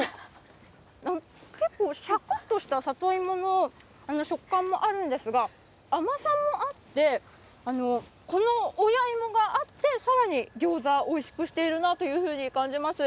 結構しゃくっとした里芋の食感もあるんですが、甘さもあって、この親芋があって、さらにギョーザ、おいしくしているなと感じます。